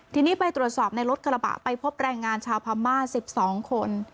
ทีนี้ไปตรวจสอบในรถกระบะไปพบแรงงานชาวพม่า๑๒คน